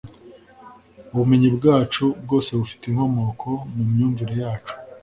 ubumenyi bwacu bwose bufite inkomoko mu myumvire yacu